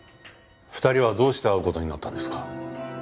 ２人はどうして会うことになったんですか？